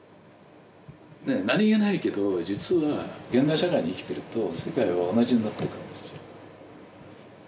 何気ないけど実は現代社会で生きてると世界は同じになっていくんですよ。